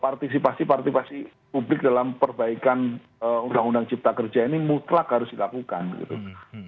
partisipasi partisipasi publik dalam perbaikan undang undang cipta kerja ini mutlak harus dilakukan gitu